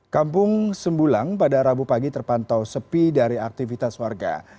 kampung sembulang pada rabu pagi terpantau sepi dari aktivitas warga